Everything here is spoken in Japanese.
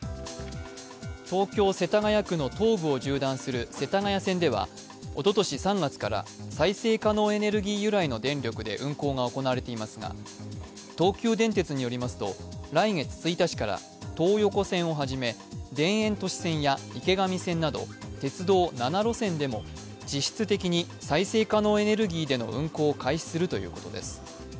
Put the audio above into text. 東京・世田谷区の東部を縦断する世田谷線ではおととし３月から再生可能エネルギー由来の電力で運行が行われていますが、東急電鉄によりますと、来月１日から東横線をはじめ田園都市線や池上線など、鉄道７路線でも実質的に再生可能エネルギーでの運行を開始するということです。